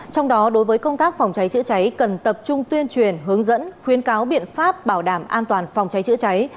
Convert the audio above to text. trong đó đối với công tác phòng cháy chữa cháy cần tập trung tuyên truyền hướng dẫn khuyến cáo biện pháp bảo đảm an toàn phòng cháy chữa cháy